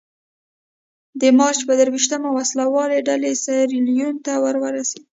د مارچ په درویشتمه وسله والې ډلې سیریلیون ته ورسېدې.